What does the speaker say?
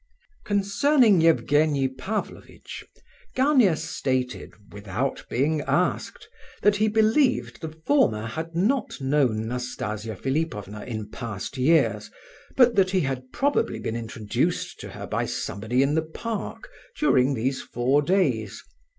Concerning Evgenie Pavlovitch, Gania stated, without being asked, that he believed the former had not known Nastasia Philipovna in past years, but that he had probably been introduced to her by somebody in the park during these four days.